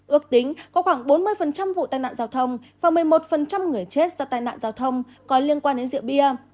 ước tính có khoảng bốn mươi vụ tai nạn giao thông và một mươi một người chết do tai nạn giao thông có liên quan đến rượu bia